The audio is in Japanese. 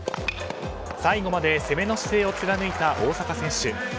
最後まで攻めの姿勢を貫いた大坂選手。